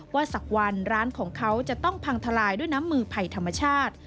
สักวันร้านของเขาจะต้องพังทลายด้วยน้ำมือไผ่ธรรมชาติ